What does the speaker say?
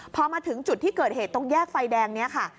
พอมาถึงจุดที่เกิดเหตุตรงแยกไฟแดงนี้ค่ะ